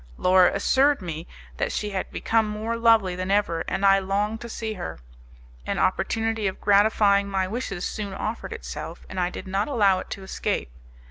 Laura assured me that she had become more lovely than ever, and I longed to see her. An opportunity of gratifying my wishes soon offered itself, and I did not allow it to escape.